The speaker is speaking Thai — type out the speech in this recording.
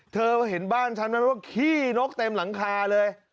เธอเห็นบ้านฉันไหมว่าขี้นกเต็มหลังคาเลย